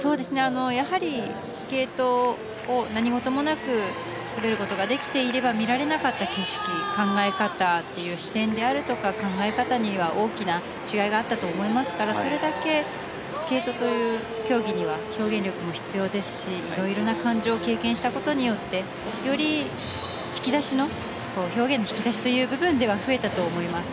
やはりスケートを何事もなく滑ることができていれば見られなかった景色考え方や視点であるとかには大きな違いがあったと思いますからそれだけスケートという競技には表現力も必要ですしいろんな感情を経験したことによってより表現の引き出しという部分では増えたと思います。